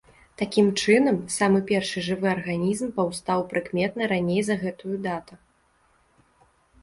Такім чынам, самы першы жывы арганізм паўстаў прыкметна раней за гэтую дата.